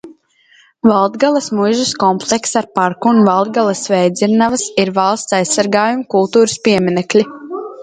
Valdgales muižas komplekss ar parku un Valdgales vējdzirnavas ir valsts aizsargājami kultūras pieminekļi.